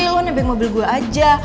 lo nebeng mobil gue aja